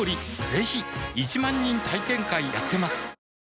ぜひ１万人体験会やってますはぁ。